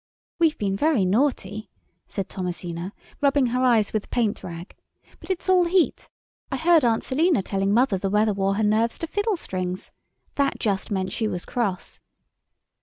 "We've been very naughty," said Thomasina, rubbing her eyes with the paint rag, "but it's all the heat. I heard Aunt Selina telling mother the weather wore her nerves to fiddle strings. That just meant she was cross."